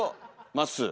まっすー。